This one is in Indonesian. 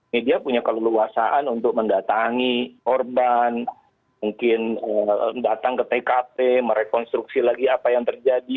media punya keleluasaan untuk mendatangi korban mungkin datang ke tkp merekonstruksi lagi apa yang terjadi